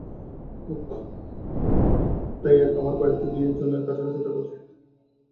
উহ, এক, তাই আমার বাড়িতে দুজনের কাছাকাছি থাকা উচিত।